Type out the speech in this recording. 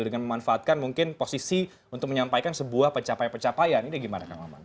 dengan memanfaatkan mungkin posisi untuk menyampaikan sebuah pencapaian pencapaian ini gimana kang maman